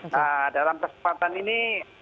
nah dalam kesempatan ini